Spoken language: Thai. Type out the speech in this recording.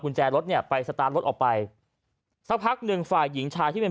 แจรถเนี่ยไปสตาร์ทรถออกไปสักพักหนึ่งฝ่ายหญิงชายที่เป็น